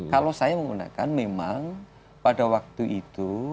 kalau saya menggunakan memang pada waktu itu